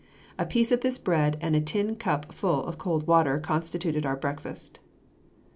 A piece of this bread and a tin cup full of cold water constituted our breakfast.